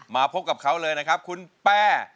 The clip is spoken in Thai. มาพบกับเขาเลยนะครับคุณแป้